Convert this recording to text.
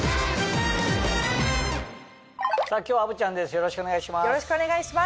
よろしくお願いします。